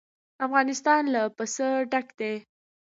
افغانستان له پسه ډک دی.